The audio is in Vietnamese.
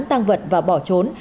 tăng vật và bỏ trốn